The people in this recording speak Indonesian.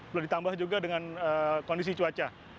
belum ditambah juga dengan kondisi cuaca